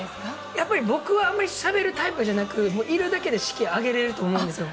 やっぱり僕はあんまりしゃべるタイプじゃなく、いるだけで士気上げれると思うんですよ。